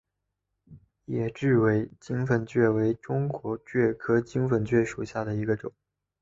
野雉尾金粉蕨为中国蕨科金粉蕨属下的一个种。